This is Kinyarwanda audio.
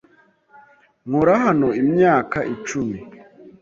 Nkora hano imyaka icumi.